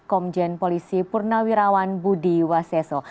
komjen polisi purnawirawan budi waseso